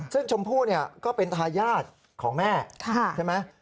ซึ่งชมพู่ก็เป็นทายาทของแม่ใช่ไหม